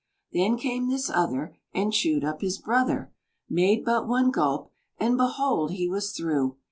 Then came this other And chewed up his brother, Made but one gulp, and behold he was through!